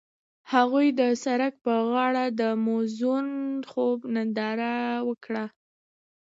هغوی د سړک پر غاړه د موزون خوب ننداره وکړه.